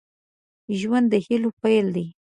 ژوند د هيلو پيل دی